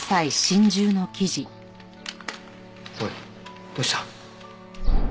おいどうした？